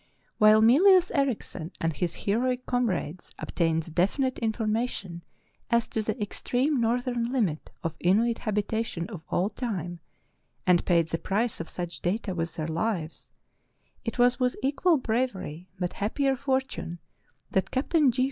While Mylius Erichsen and his heroic comrades ob tained the definite information as to the extreme north ern limit of Inuit habitation of all time, and paid the price of such data with their lives, it was with equal bravery but happier fortune that Captain G.